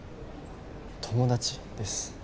友達です。